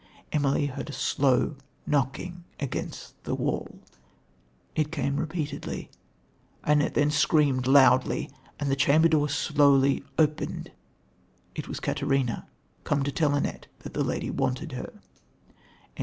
Emily heard a slow knocking against the wall. It came repeatedly. Annette then screamed loudly, and the chamber door slowly opened It was Caterina, come to tell Annette that her lady wanted her."